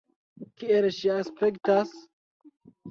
Kiel ŝi aspektas?